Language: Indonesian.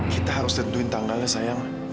kita harus tentuin tanggalnya sayang